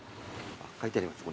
書いてあります